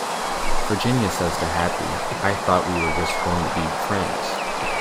Virginia says to Happy I thought we were just going to be friends.